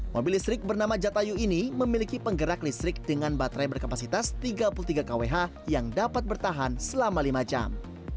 mobil listrik bernama jatayu ini memiliki penggerak listrik dengan baterai berkapasitas tiga puluh tiga kwh yang dapat bertahan selama lima jam